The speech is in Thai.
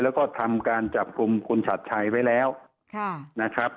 แล้วก็ทำการจับกลุ่มคุณชัดชัยไว้แล้วนะครับ